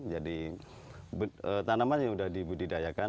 jadi tanaman yang sudah dibudidayakan